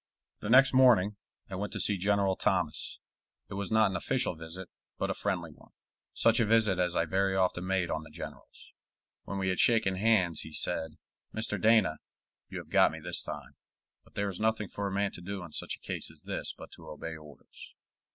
The next morning I went to see General Thomas; it was not an official visit, but a friendly one, such a visit as I very often made on the generals. When we had shaken hands, he said: "Mr. Dana, you have got me this time; but there is nothing for a man to do in such a case as this but to obey orders."